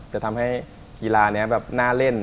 จะทำให้กีฬานี้แบบน่าเล่น